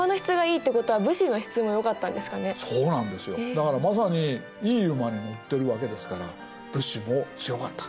だからまさにいい馬に乗ってるわけですから武士も強かった。